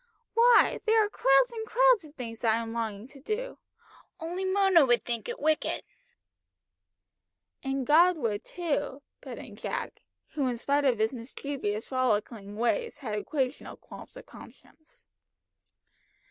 Why, there are crowds and crowds of things that I'm longing to do, only Mona would think it wicked!" "And God would too," put in Jack, who in spite of his mischievous rollicking ways had occasional qualms of conscience.